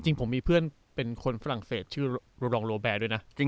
จริงผมมีเพื่อนเป็นคนฝรั่งเศสชื่อโรดองโลแบร์ด้วยนะ